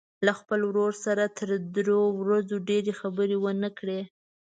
له خپل ورور سره تر درې ورځو ډېرې خبرې ونه کړي.